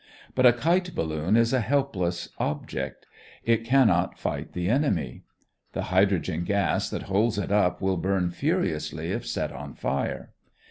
But a kite balloon is a helpless object; it cannot fight the enemy. The hydrogen gas that holds it up will burn furiously if set on fire.